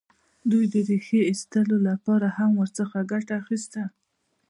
دوی د ریښې ایستلو لپاره هم ورڅخه ګټه اخیسته.